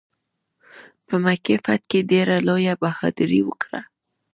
په مکې فتح کې ډېره لویه بهادري وکړه.